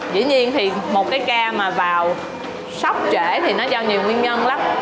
dĩ nhiên thì một cái ca mà vào sốc trễ thì nó do nhiều nguyên nhân lắm